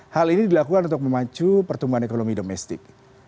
hal ini dilakukan untuk memacu pertumbuhan ekonomi domestik